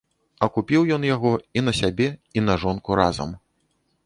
А купіў ён яго і на сябе і на жонку разам.